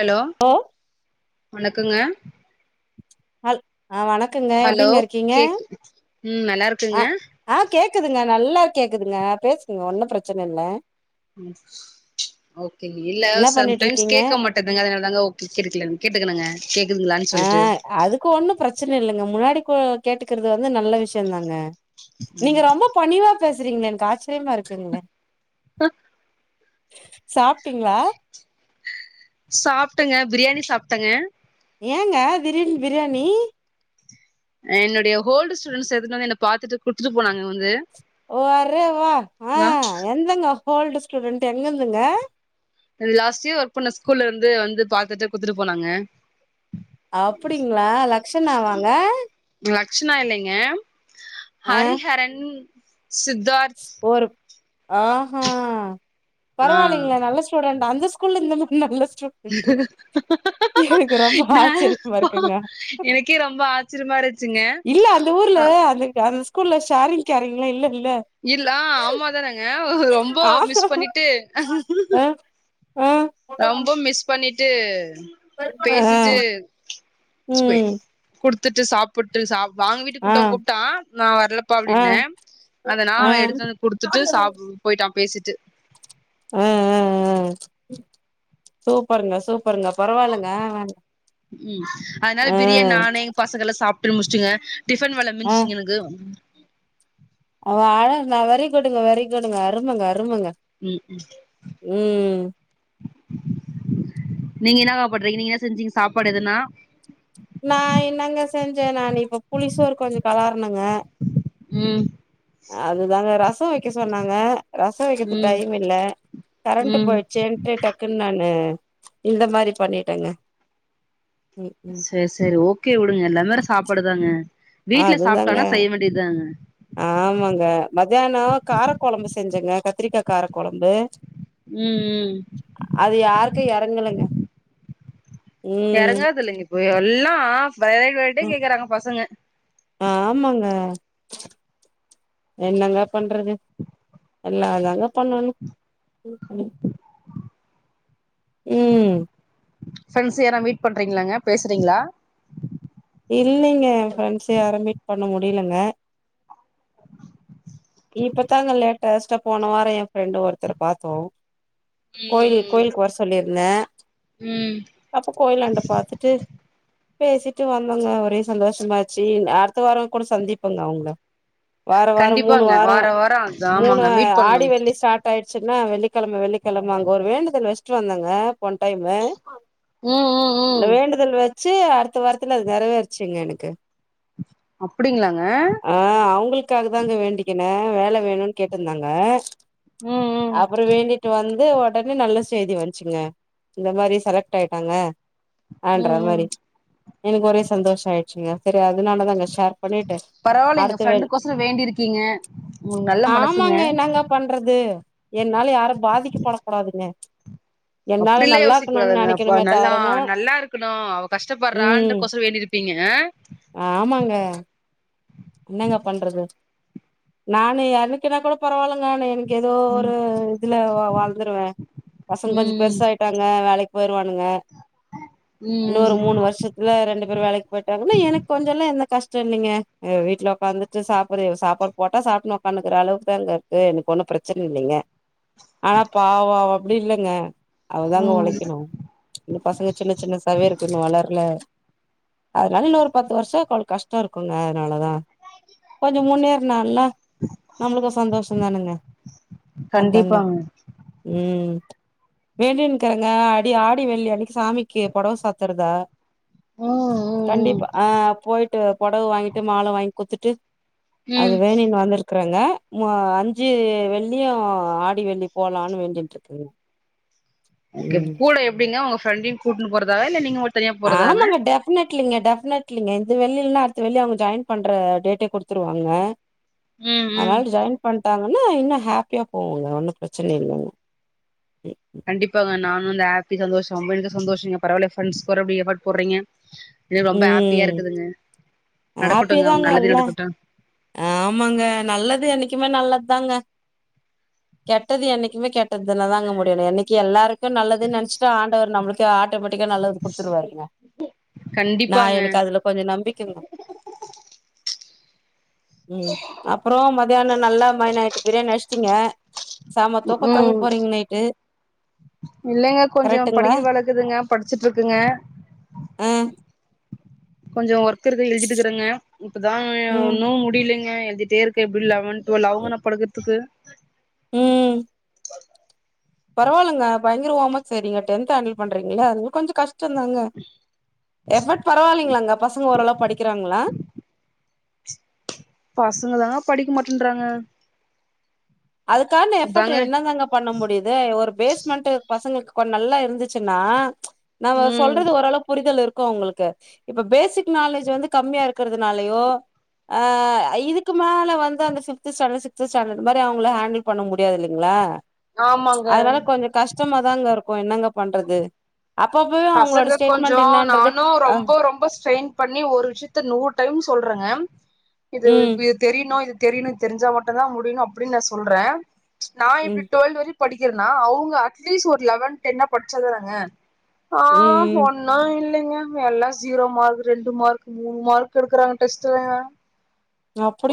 allow ஏ வணக்கங்க ஹல் அ வணக்கங்க ஹலோ எப்டிங்க இருக்கீங்க கேக் ம் நல்லா இருக்குங்க ஆ ஆ கேக்குதுங்க நல்லா கேக்குதுங்க பேசுங்க ஒன்னு பிரச்சன இல்ல ம் ஓகேங் இல்ல என்ன சம்டைம்ஸ் பண்ணிட்ருக்கீங்க கேக்க மாட் டுதுங்க அதுனால தாங்க ஓ கே கேட்டுகிலங் கேட்டுக்கிறங்க கேக்குதுங்களான் சொல்லிட்டு அ அதுக்கு ஒன்னு பிரச்சன இல்லங்க முன்னாடி கு கேட்டுக்கறது வந்து நல்ல விஷ்யோ தாங்க நீங்க ரொம்போ பணிவா பேசறீங்களே எனக் ஆச்சிரியமா இருக்குங்ளே அ சாப்ட்டீங்ளா சாப்ட்டங்க பிரியாணி சாப்ட்டங்க ஏங்க திடீர்ன் பிரியாணி என்னுடைய ஹோல்டு ஸ்டூடன்ஸ் எத் எல்லாரு என்ன பாத்துட்டு குட்த்துட்டு போனாங்க வந்து வாரே வா ஆ எந்தங்க ஹோல்டு ஸ்டூடன்ட் எங்கர்ந்துங்க லாஸ்ட் இயர் ஒர்க் பண்ண ஸ்கூல்லர்ந்து வந்து பாத்துட்டு குட்த்துட்டு போனாங்க அப்படிங்ளா லக்ஷ்ணா வாங்க லக்ஷ்ணா இல்லைங்க ஆ ஹரிஹரன், சித்தார்த் ஒரு ஆ ஆ ஆ பரவால்லைங்ளே நல்ல ஸ் டூடன்ட்டா அந்த ஸ்கூல்ல இந்த மாரி நல்ல ஸ்டூ நானே ஆச்சரியமா பாவோ இருக்குங்க எனக்கே ரொம்ப ஆச்சரியமா இருந்ச்சுங்க இல்ல அந்த ஊர்ல அந்த அந்த ஸ்கூல்ல ஷேரிங் கேரிங்லா இல்ல இல்ல இல் ஆ ஆமா தானங்க ரொம்ப ஆ மிஸ் பண்ணிட்டு ஆ ஆ ரொம்ப மிஸ் பண்ணிட்டு ஆ பேசிட்டு [inaudible] ம் குடுத்துட்டு சாப் பூட்டு சா வாங்க வீட்டுக்கு ஆ கூப்டாலூ கூப்டா நா வர்லப்பா ஆ ஆ அப்டின்ன அந்த ஆ நான எடுத்துட்டுவந்து குடுத்துட்டு சாப்டு போயிட்டா பேசிட்டு ஆ ஆ ஆ சூப்பருங்க சூப்பருங்க பரவால்லங்க ஆ ஆ ம் அதனால பிரியாணி நானு எயா பசங்க எல்லா சாப்புட்டு முடிச்சிட்டுங்க டிஃபன் வேல ஆ மிஞ்சிச்சிங்க எனக்கு அவ ஆழங்க வெரி குட்டுங்க வெரி குட்டுங்க அருமங்க அருமங்க ம் ம் ம் நீங்க என்னகா பண்றிங்க நீங்க என்ன செஞ்சீங்க சாப்பாடு எதனா நா என்னங்க செஞ்ச நா இப்போ புலிசோர் கொஞ்சோ களர்ணங்க ம் அதுதாங்க ரசோ வெக்க சொன்னாங்க ரசோ வெக்கறதுக்கு ம் டைம் இல்ல கரண்ட் ம் போயிட்சே டக்குன்னு நானு இந்த மாரி பண்ணிட்டேங்க ம் செரி செரி ஓகே உடுங்க எல்லா மாரி சாப்பாடுதாங்க வீட்ல அதுதாங்க சாப்டோனா செய்ய வேண்டிதாங்க ஆமாங்க மத்தியானோ காரக்கொழம்பு செஞ்சங்க கத்திரிக்கா காரக்கொழம்பு ம் ம் அது யாருக்கு எறங்கலங்க ம் எறங்கார்தில்லைங்க இப்போ எல்லா வெரைட்டி வெரைட்டியா கேக்குறாங்க பசங்க ஆமாங்க என்னங்க பண்றது எல்லா தாங்க பண்ணணு ம் ஃப்ரெண்ட்ஸ் யாரா மீட் பண்றீங்ளாங்க பேசுறீங்ளா இல்லைங்க ஃரெண்ட்ஸ் யாரு மீட் பண்ண முடிலங்க இப்பதாங்க லேட்டஸ்டா போன வாரோ எயா ஃப்ரெண்டு் ஒருத்தர பாத்தோ கோயில் ம் கோயிலுக்கு வர சொல்லியி இருந்த ம் அப்போ கோயிலாண்ட பாத்துட்டு பேசிட்டு வந்தோங்க ஒரே சந்தோஷமாச்சு அடுத்த வாரோ கூட சந்திப்பேங்க அவுங்கள வாரோ வாரோ மூணு கண்டிப்பாங்க வாரோ வார மூணு ஆமாங்க மீட் ஆடி வெ பண்ணுங்க வெள்ளி ஸ்டார்ட் ஆயிடுச்சின்னா வெள்ளிக்கெழம வெள்ளிக்கெழம அங்க ஒரு வேண்டுதல் வெச் சிட்டு வந்தங்க போன டைமு ம் ம் இந்த ம் வேண்டுதல் வெ ச்சி அடுத்த வாரத்துல அது நிறவேருச்சிங்க எனக்கு அப்டிங்ளாங்க ஆ அவுங்களுக்காக தாங்க வேண்டிக்கின வேல வேணுன்னு கேட்டிருந்தாங்க ம் ம் அப்பறோ வேண்டிட்டு வந் அது ஒடனே நல்ல செய்தி வந்சிங்க இந்த மாரி செலக்ட் ஆயிட்டேங்க ஆன்ற ம் ம் மாரி எனக் ஒரே சந்தோஷோ ஆயிடுச்சுங்க சேரி அதுனால தாங்க ஷேர் பண்ணிட்டு பரவால்லைங்க அடுத்த வே ஃப்ரெண்டுக்கோசோ வேண்டி இருக்கீங்க உங்களுக் நல்ல மனசுங்க ஆமாங்க என்னங்க பண்றது என்னால யாரு பாதிக்கப்பட கூடாதுங்க அப்டில்லா யோசிக் கூடாதுங்க அப்ப நல்லா தவரங்க நல்லா இருக்கணு அவ ம் கஷ்டப்பட்றாண்டு கோசோ வேண்டி இருப்பீங்க ஆ ஆமாங்க என்னங்க பண்றது நானு என்னக்குன்னா கூட பரவால்லங்க ஆனா எனக் ஏதோ ம் ஒரு இதுல வாழ்ந்துருவே பசங் கொஞ்சோ ம் பெருசாயிட் டாங்க வேலைக் போயிருவானுங்க இன்னொரு ம் ம் ஒரு மூணு வருஷத் துல ரெண்டு பேரு வேலக்கு போயிட்டாங்கன்னா எனக்கு கொஞ்சோலா எந்த கஷ்டோ இல்லைங்க எங்க வீட்ல ஒக்காந்துட்டு சாப்புடு சாப்பாடு போட்டா சாப்புட்னு ஒக்கானுக்குற அளவுக்கு தாங்க இருக்கு எனக்கு ஒன்னு பிரச்சன இல்லைங்க ஆனா பவோம் அப்படில்லங்க அவதாங்க ம் வொழைக்கணு இனு பசங்க சின்ன சின்ன சவருக்கு இன்னு வளரல அதனால இன்னொ ஒரு பத்து வருஷோ அவளுக்கு கஷ்டோருக்குங்க அதனாலதா கொஞ்சோ முன்னேறுனாள்னா நம்பளுக்கு சந்தோஷோம் தானுங்க அதாங்க கண்டிப்பாங்க ம் வேண்டினுக்கறங்க அடி ஆடி வெள்ளி அன்னிக்கு சாமிக்கு பொடவ சாத்துறதா ம் ம் கண்டிப்பா அ போயிட்டு பொடவ வாங்கிட்டு மால வாங்கி குத்துட்டு ம் அது ம் வேணினு வந்துரு இருக்குறங்க அஞ்சு வெள்ளியும் ஆடி வெள்ளி போலான்னு வேண்டிடனு இருக்குங்க ஓகே கூட எப்டிங்க உங்க ஃப்ரெண்டையும் கூட்டுன்னு போறதாங்க இல்ல‌ நீங்க தனியா போறதா டெஃப்னெட்லிங்க டெஃப்னெட்லிங்க இந்த வெள்ளிலைனா அடுத்த வெள்ளி அவுங்க ஜாயின் பண்ற டேட்டே கொடுத்துருவாங்க ம் ம் அதனால் ஜாயின் பண்ட்டாங்கன்னா இன்னும் ஹாப்பியா போவோங்க ஒன்னும் பிரச்சன இல்லைங்க கண்டிப்பாங்க நானும் அந்த ஹாப்பி சந்தோஷம் ரொம்பக்கு சந்தோஷம்ங்க பரவாயல ஃப்ரெண்ட்ஸ் கூட இப்படி எபோர்ட்ஸ் போட்றீங்க எனக்கு ரொம்ப ஹாப்பியா ம் இருக்குதுங்க ஹாப்பி நடக்கட்டும்ங்க தாங்க நல்லதே எல்லா நடக்கட்டும் ஆமாங்க நல்லது என்னைக்குமே நல்லது தாங்க கெட்டது என்னைக்குமே கெட்டதுலதான்ங்க முடியணும் என்னைக்கு எல்லாருக்கும் நல்லதுன்னு நினைச்சுட்டோம் ஆண்டவர் நம்மளுக்கு டோம் ஆட்டோமேட்டிக்கா நல்லது குடுத்துருவாருங்க நான் கண்டிப்பாங்க எனக்கு அதுல கொஞ்ஜோம் நம்பிக்கைங்க ம் அப்புறோம் மதியானம் நல்லா மைனாயிட்டு பிரியாணி நச்சிட்டீங்க அப்பப்போ தூங்க ம் போறீங்க நைட்டு இல்லைங்க கொஞ்ஜோம் கரெக்ட்டுங்களா படிக்கிற வளக்குதுங்க படிச்சுட்டு இருக்குங்க ம் கொஞ்சம் ஒர்க் இருக்கு எழுதிட்டு இருக்கறங்க இப்பதான் ம் ஒன்னும் முடியலைங்க எழுதிட்டே இருக்கன் பில் அமொன்ட் லவ்னோ படுக்குற்துக்கு ம் பரவால்லங்க பயங்கர வர்மக் செய்றீங்க டென்ட் ஹேண்டில் பண்றீங்கள அதுவும் கொஞ்ஜோம் கஷ்டோம் தாங்க எஃபர்ட் பரவாயில்லைங்க அங்க பசங்க ஓரளவு படிக்கிறாங்களா பசங்க தான் படிக்க மாட்டேன்றாங்க அதுக்கான எஃப்பர்ட் அதாங்க என்னதாங்க பண்ண முடியுது ஒரு பேஸ்மெண்ட் பசங்களுக்கு கொஞ்சோம் நல்லா இருந்துச்சுன்னா நம்ம ம் சொல்றது ஓரளவு புரிதல் இருக் கும் உங்களுக்கு இப்ப பேசிக் நாலேஜ் வந்து கம்மியா இருக்கிறதுனாலயோ அ இதுக்கு மேல வந்து அந்த ஃப்பிப்த் ஸ்டாண்டர்ட் சிக்த் ஸ்டாண்டர்ட் மாதிரி அவுங்கள ஹண்டில் பண்ண முடியாது இல்லீங்களா ஆமாங்க அதனால கொஞ்சம் கஷ்டம் கஷ்டமாதாங்க இருக்கும் என்னங்க பண்றது அப்பபோ பசங்க கொஞ்ஜோம் நானும் ரொம்ப ரொம்ப ஸ்ட்ரெயின் பண்ணி ஒரு விஷயத்த நூறு டைம் சொல்றங்க இது ம் தெரியணும் இது தெரியணும் தெரிஞ்சா மட்டும் தான் முடியணும் அப்டின்னு நான் சொல்றன் நான் இப்பட ம் டுவெல் வரை படிக்கிறனா அவங்க அட்லீ்ஸ்ட் ஒரு லெவன் டென் படிச்சாதாங்க ஆ ம் இன்னும் இல்லீங்க எல்லாம் ஜீரோ மார்க் ரெண்டு மார்க் மூணு மார்க் எடுக்கறாங்க டெஸ்ட்ல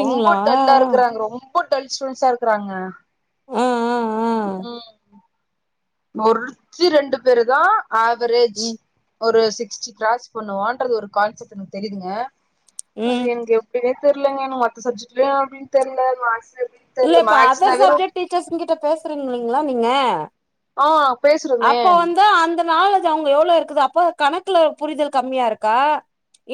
ரொம்ப டல்லா இருக்குறாங்க ரொம்ப இப்ப [unintelligible] இருக்கிறாங்க ஆ ஆ ஆ ம் ஒருத்தி ரெண்டு பேரு தா ஆவரேஜ் ம் ஒரு சிக்ஸ்டி க்ராஸ் பண்ணுவான்றது ஒரு கான்செப்ட் எனக்கு தெரியதுங்கங்க ம் அது எங்கயோ எப்டினே தெரலங்க மத்த சப்ஜெக்ட்லயு அப்டினு தெரில மேக்ஸ் எப்டி இல்ல இப்ப அதர் சப்ஜெக்ட் டீச்சர்ஸ்கிட்ட பேசுறீங்க இல்லலைங்களா நீங்க ஆ பேசுறோமே அப்ப வந்து அந்த நாள அவங்க எவ்வளோஇருக்குது அப்போ கணக்குல புரிதல் கம்மியா இருக்கா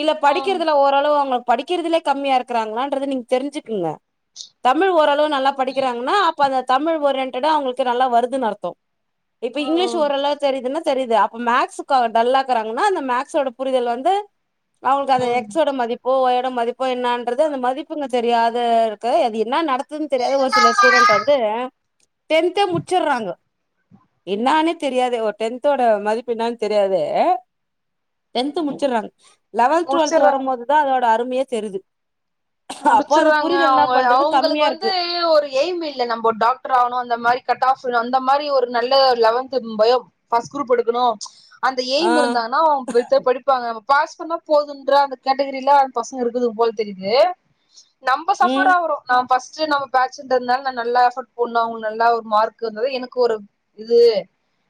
இல்ல ம் படிக்கிறதுல ஒரு அளவு அவங்க படிக்கிறதுலே கம்மியா இருக்கிறாங்களன்றது நீங்க தெரிஞ்சுக்குங்க தமிழ் ஓரளவு நல்லா படிக்கிறாங்கன்னா அப்ப அந்த தமிழ் ஒரியன்டடா அவங்களுக்கு நல்லா வருதுன்னு அர்த்தோ இப்ப இங்கிலீஷ் ம் ஓரல்ல தெரியுதுன்னா தெரியுது அப்ப மேக்ஸுக்கு அவே டல்லாக்குறாங்கன்னா அந்த மேக்ஸோட புரிதல் வந்து அவங்களுக்கு அந்த ம் எக்ஸோட மதிப் ஒ இடம் மதிப்போ என்னன்றது அந்த மதிப்புங்க தெரியாது இருக்கு அது என்ன நட எதுவு தெரியாது ஒரு சில ஸ்டூடெண்டட் வந்து டென்தே முடிச்சுடுறாங்க என்னானே தெரியாது ஒரு டென்தோட மதிப்பு என்னான்னு தெரியாது டென்த்து முடிச்சுடுறாங்க லெவன்த் டுவெல்த் முடிச்சர்றாங்க வரபோதுதாஅதோட அருமையே தெரிது அப்போ அது முடிச்சறாங்க புரிதல் என்னா அவங்க பண்றது அவங்களுக்கு கம்மியா வந்து இருக்கு வந்து ஒரு எய்ம் இல்ல நம்ம டாக்டர் ஆவுணு அந்த மாரி கட் ஆப் அந்த மாரி ஒரு நல்ல லெவன்த் பயம் ஃபர்ஸ்ட் குரூப் எடுக்கணு அந்த ஆ எய்ம் இருந்தான்னா அவ [unintelligible] இப்பாங்க நம்ம பாஸ் பண்ண போதுன்ற அந்த கேட்டகிரில அந்த பசங்க இருக்குது போல தெரியுது நம்ப சஃபர் ம் ஆவுறோ நா ஃபஸ்ட் நம்ப பேட்ஜ் இன்றதுநால நான் நல்லா எஃபர்ட் போட்ண்ணு அவங்க நல்லா ஒரு மார்க் வந்தது எனக்கு ஒரு இது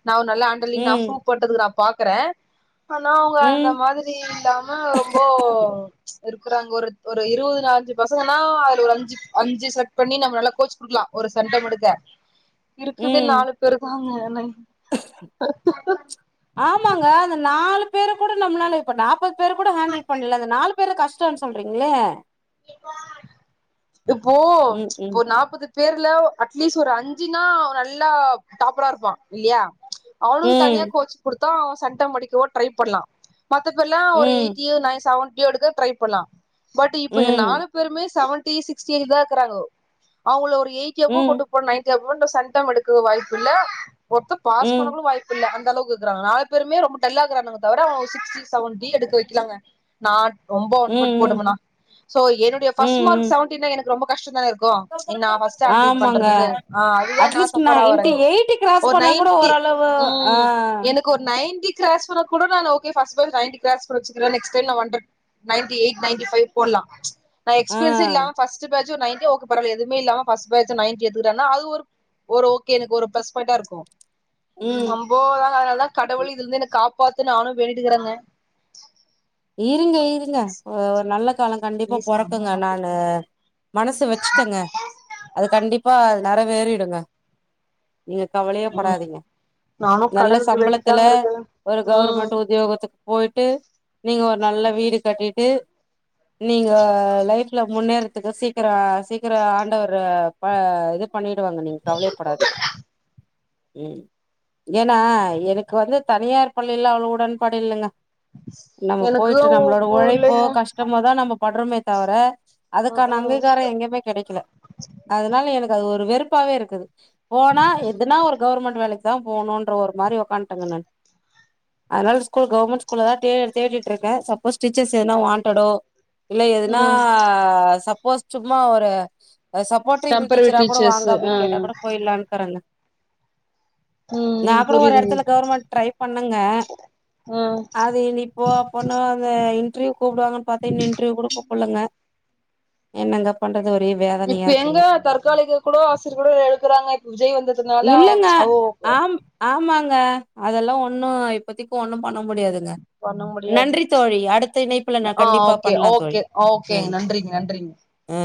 நா நல்லா அண் நா சூ ம் போட்டதுக்கு நா பாக்குறே ஆனா அவங்க அந்த ம் மாதிரி இல்லாம ரொம்ப இருக்கறாங்க ஒரு ஒரு இருவது அஞ்சு பசங்கன்னா அதுல ஒரு அஞ்சு அஞ்சு செட் பண்ணி நம்ம நல்லா கோச் குடுக்கலா ஒரு சென்டம் எடுக்க இருக்குதே ம் நாலு பேரு தாங்க ஆமாங்க அந்த நாலு பேரு கூட நம்மளால இப்ப நாப்பது பேரு கூட ஹேண்டில் பண்ணல அந்த நாலு பேர கஷ்டம்னு சொல்றீங்களே இப்போ ம் ம் போ நாப்பது பேர்ல அட்லீஸ்ட் ஒரு அஞ்சுனா நல்லா டாப்பரா இருப்பான் இல்லியா அவனுக்கு தனியா ம் கோச் குடுத்தா அவன் செண்டம் அடிக்கவோ ட்ரை பண்லா மத்தபேர்ல்லா ஒரு ம் எயிட்டியோ நய செவன்டியோ எடுக்க ட்ரை பண்ணலா பட் இப்ப ம் நாலு பேருமே செவன்டி சிக்ஸ்டி தா இருக்கிறாங்கோ அவங்கள ஒரு எயிட்டி அபோ ம் கொண்டு போ நையன்டி அபோ சென்டம் எடுக்க வாய்ப்புல்ல ஒருத்த ம் பாஸ் பண்ண ம் கூட வாய்ப்பு இல்ல அந்த அளவுக்கு இருக்றாங்க நாலு பேருமே ரொம்ப டல்லாருக்கானுங்க தவிர அவங்க சிக்ஸ்டி செவன்டி எடுக்க வைக்கலாங்க நா ரொம்ப எஃபட் ம் போட்டுவனா சோ என்னுடைய ஃபஸ்ட் ம் மார்க் ம் செவன்டினா எனக்கு ரொம்ப கஷ்டம் தானே இருக்கு நா ஃபஸ்ட் ஹான்டில் ஆமாங்க பண்றதுன்னு அ அதுதா நா அட்லீஸ்ட் சஃபர் இன்ட்டு ஆவுறேன் எயிட் கிராஸ் ஒரு பண்ணா கூட நையன்டி ஓரளவு ஆ ம் எனக்கு ஒரு நைன்டி கிராஸ் பண்ணா கூட நானு okay first time ninety cross பண்ண வச்சுக்கிறே நெக்ஸ்ட் டைம் நா hunt ninety eight ninety five போட்லா நா ஆ எக்ஸ்பீரியன்ஸ் இல்லாம ஃபஸ்ட் நைன்டியே எதுவுமே இல்லாம ஃபஸ்ட் பேஜ் நைன்டி எடுத்துகிறே அது ஒரு ஒரு ஓகே எனக்கு ஒரு ப்ளஸ் பாயிண்டா இருக்கு ம் ரொம்போதா அதனால தா கடவுள் இதுல இருந்து என்ன காப்பாத்துனு நானு வேண்டிட்டுருக்குறேங்க இருங்க இருங்க ஒரு நல்ல காலம் கண்டிப்பா பேசுறாங்க அம்மா பொறக்குங்க ஆப்ல நானு பேசுறாங்க மனசு வெச்சுட்டங்க அது கண்டிப்பா நெற வேறிடுங்க நீங்க கவலையே ம் படாதீங்க நானு நல்ல கடவுள்கிட்ட சம்பளத்துல வேண்டிதாங்க இருக்கே ஒரு ம் கவர்மெண்ட் உத்தியோகத்துக்கு போயிட்டு நீங்க ஒரு நல்ல வீடு கட்டிட்டு நீங்க லைஃப்ல முன்னேறத்துக்கு சீக்கிர சீக்கிர ஆண்டவர் ப இது பண்ணிடுவாங்க நீங்க கவலையேப்படாதீங் ம் ஏனா எனக்கு வந்து தனியார் பள்ளியில அவ்ளோ உடன்பாடு இல்லங்க நம்ம எனக்கு போயிட்டு நம்ளோட உழைப்போ புள்ளைங்க கஷ்டமோதா நம்ம பட்றோமே தவிர ம் அதுக்கான ம் அங்கீகார எங்கேமே கெடைக்கல அதனால எனக்கு அது ஒரு வெறுப்பாவே இருக்குது போனா எதுனா ஒரு கவர்மெண்ட் வேலைக் தா போணுன்ற ஒரு மாரி ஒக்காண்டேங்க நா அதனால ஸ்கூல் கவர்மெண்ட் ஸ்கூல்ல தா தே தேடிட்டு இருக்கே சப்போஸ் டீச்சஸ் எதனா வாண்ட்டடோ இல்ல எதுனா ம் சப்போஸ் சும்மா ஒரு அது சப்போர்டிவ் டெம்பரரி டீச்சரா கூட வாங்க டீச்சர்ஸு ஆ அப்டின்னு கேட்டா கூட போயில்லான்னுக்கிறங்க நா ம் கூட ஒரு புரியுதுங்க எடத்துல கவர்மெண்ட் ட்ரை பண்ணங்க ஆ அது இப்போ அப்பனா அந்த இன்டர்வியூ கூப்பிவாங்கன்னு பாத்தே இன்னு இன்டர்வியூ கூட கூப்புள்ளங்க என்னங்க பண்றது ஒரே வேதனையா இப்ப எங்க இருக்குங்க தற்காலிக கூட ஆசியர் கூட எழுக்கறாங்க இப்ப விஜய் வந்ததுனால இல்லங்க அவு ஆம் ஆமாங்க அதெல்லா ஒண்ணு இப்பத்திக்கு ஒண்ணு பண்ண முடியாது ங்க பண்ண முடியாது நன்றி தோழி அடுத்த இணைப்புலா நா ஆ கண்டிப்பா ஓகே பண்லா தோழி ஓகே அ ஓகேங்க நன்றிங்க நன்றிங்க அ